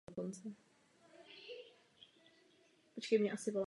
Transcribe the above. Z těchto jejích cest se dochovalo pouze několik kreseb.